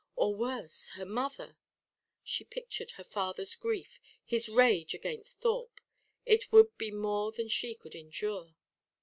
Or worse her mother! She pictured her father's grief; his rage against Thorpe. It would be more than she could endure.